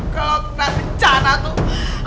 kalo kita bencana tuh